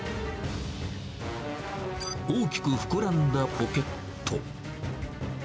大きく膨らんだポケット。